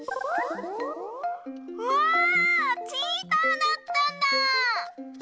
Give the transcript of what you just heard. わあチーターだったんだ！